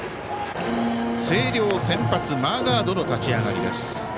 星稜、先発マーガードの立ち上がりです。